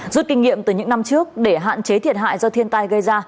rút kinh nghiệm từ những năm trước để hạn chế thiệt hại do thiên tai gây ra